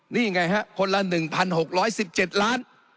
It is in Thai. นี่ไงฮะคนละหนึ่งพันหกร้อยสิบเจ็ดล้าน